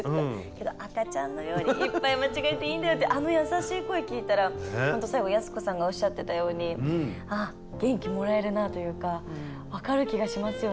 けど赤ちゃんのようにいっぱい間違えていいんだよってあの優しい声聴いたら本当最後安子さんがおっしゃってたようにあっ元気もらえるなというか分かる気がしますよね。